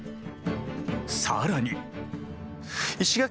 更に。